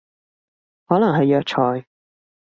可能係藥材